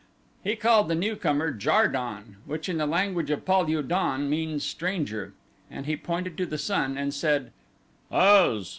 He called the newcomer Jar don, which in the language of Pal ul don means "stranger," and he pointed to the sun and said as.